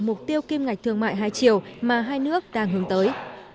mục tiêu kim ngạch thương mại hai chiều mà hai nước đang hướng tới